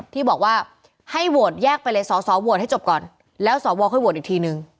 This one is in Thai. ที่บอกว่าให้โหวตแยกไปเลยสอสอโหวตให้จบก่อนแล้วสวค่อยโหวตอีกทีนึง